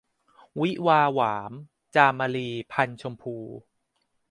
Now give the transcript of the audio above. วิวาห์หวาม - จามรี พรรณชมพู